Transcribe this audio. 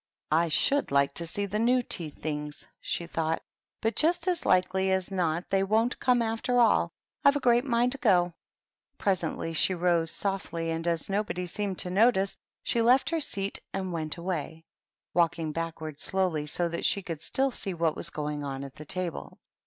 " I should like to see the new tea things," she thought ;" but just as likely as not they won't come, after all. I've a great mind to go." Presently she rose softly, and, as nobody seemed to notice, she left her seat and went away, walk ing backward slowly, so that she could still see what was going on at the table. THE TEA TABLE.